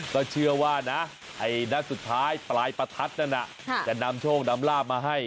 ก็เชื่อว่านะไอ้นัดสุดท้ายปลายประทัดนั้นจะนำโชคนำลาบมาให้